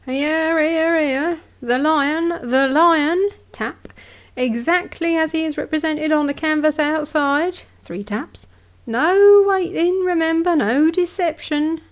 " Here, here, here ; the lion, the lion (tap), exactly as he is represented on the canvas outside (three taps) : no waiting, remember ; no deception.